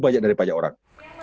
saya dapatkan dari pajak orang